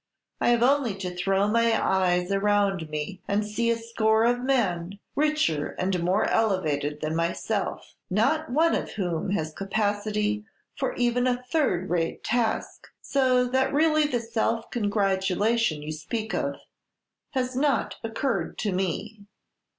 I have only to throw my eyes around me, and see a score of men, richer and more elevated than myself, not one of whom has capacity for even a third rate task, so that really the self congratulation you speak of has not occurred to me."